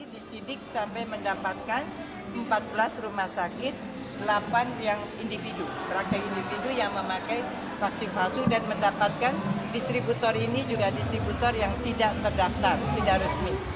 disidik sampai mendapatkan empat belas rumah sakit delapan yang individu pakai individu yang memakai vaksin palsu dan mendapatkan distributor ini juga distributor yang tidak terdaftar tidak resmi